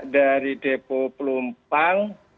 dari depo pelumpang